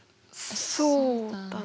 そうだね。